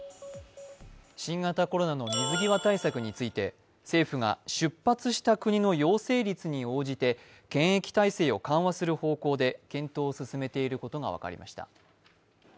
新型コロナの水際対策について政府が出発した国の陽性率に応じて検疫体制を緩和する方向で検討を進めていることが分かりました。